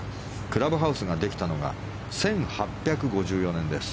クラブハウスができたのが１８５４年です。